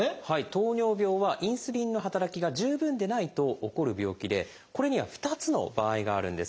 糖尿病はインスリンの働きが十分でないと起こる病気でこれには２つの場合があるんです。